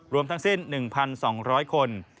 รวมทั้งสิ้น๑๒๐๐คน